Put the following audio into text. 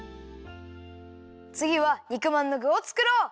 つぎは肉まんのぐをつくろう！